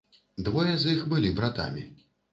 Двое з іх былі братамі.